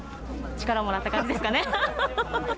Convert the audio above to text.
力もらった感じですかね。